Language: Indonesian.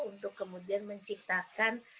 untuk kemudian menciptakan